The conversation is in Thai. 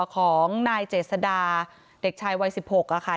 ของนายเจษดาเด็กชายวัย๑๖ค่ะ